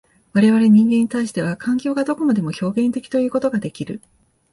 我々人間に対しては、環境がどこまでも表現的ということができる。